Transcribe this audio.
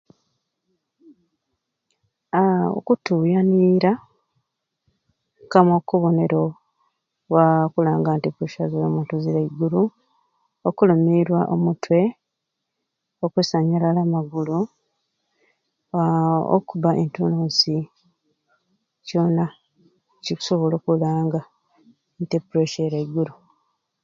Aahh okutuyaniira kamwei okububonero bwa kulanga nti e puresya za muntu ziri aiguru, okulumirwa omutwe okusanyalala amagulu, aahh okuba entununsi kyona kikusobola okulanga nti e puresya eri aiguru.